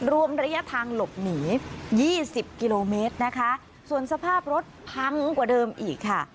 รวมระยะทางหลบหนี๒๐กิโลเมตรนะคะส่วนสภาพรถพังกว่าเดิมอีกค่ะ